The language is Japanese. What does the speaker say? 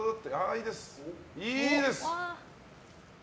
いいです。